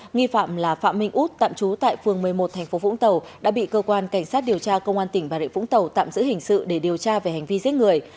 nghi phạm là phạm minh út tạm trú tại phường một mươi một tp vũng tàu đã bị cơ quan cảnh sát điều tra công an tỉnh bà rịa vũng tàu tạm giữ hình sự để điều tra về hành vi giết người